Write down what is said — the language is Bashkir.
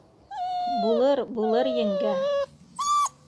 — Булыр, булыр, еңгә